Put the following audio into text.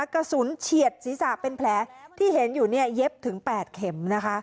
เฉียดศีรษะเป็นแผลที่เห็นอยู่เนี่ยเย็บถึง๘เข็มนะคะ